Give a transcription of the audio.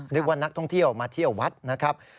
นึกว่านักท่องเที่ยวมาเที่ยววัดนะครับ